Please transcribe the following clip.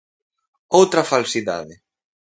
Outra falsidade.